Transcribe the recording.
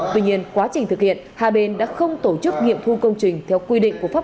tuy nhiên quá trình thực hiện hai bên đã không tổ chức nghiệm thu công trình theo quy định của pháp luật